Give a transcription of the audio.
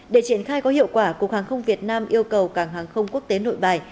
để triển khai có hiệu quả cục hàng không việt nam yêu cầu cảng hàng không quốc tế nội bài